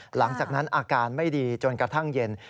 หลังจากนั้นอาการไม่ดีจนกระทั่งเย็น